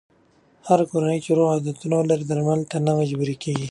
هره کورنۍ چې روغ عادتونه ولري، درملنې ته نه مجبوره کېږي.